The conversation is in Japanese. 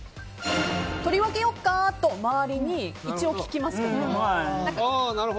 取り分けよっかー？と周りに一応聞きます。